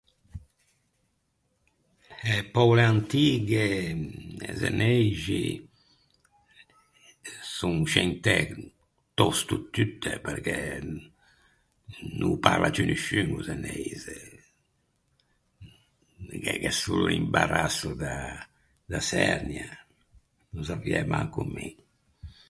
Eh poule antighe zeneixi, son scentæ tòsto tutte perché no ô parla ciù nisciun o zeneise, ghe gh’é solo imbarasso da çernia, no saviæ manco mi.